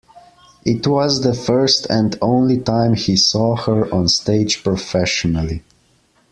It was the first and only time he saw her on stage professionally.